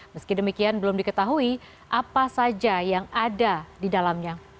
meski demikian belum diketahui apa saja yang ada di dalamnya